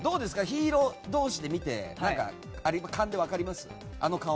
ヒーロー同士で見て勘で分かります？